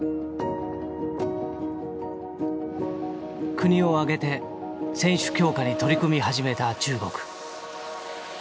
国を挙げて選手強化に取り組み始めた中国。